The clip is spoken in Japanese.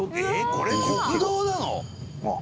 これ国道なの？」